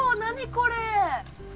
これ！